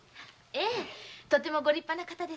ええとてもご立派な方です。